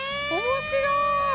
面白い！